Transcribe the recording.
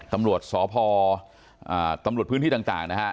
ตำรวจสอพอร์อ่าตำรวจพื้นที่ต่างต่างนะฮะ